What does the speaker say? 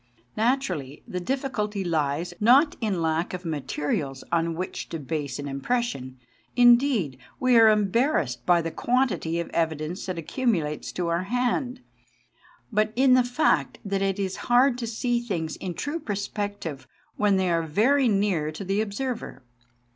Naturally the diffi culty lies, not in lack of materials on which to base an impression indeed, we are em barrassed by the quantity of evidence that accumulates to our hand but in the fact that it is hard to see things in true perspective when they are very near to the observer.